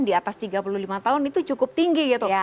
di atas tiga puluh lima tahun itu cukup tinggi gitu